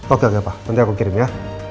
oke pak nanti aku kirim ya